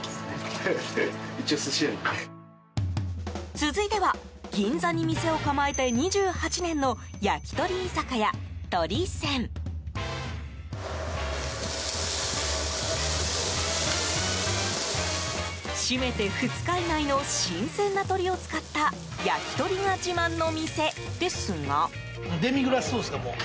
続いては、銀座に店を構えて２８年の焼き鳥居酒屋、鳥泉。締めて２日以内の新鮮な鶏を使った焼き鳥が自慢の店ですが。